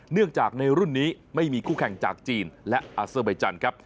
เนื่องจากในรุ่นนี้ไม่มีคู่แข่งจากจีนและอาเซอร์ใบจันทร์ครับ